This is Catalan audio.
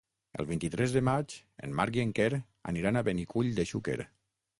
El vint-i-tres de maig en Marc i en Quer aniran a Benicull de Xúquer.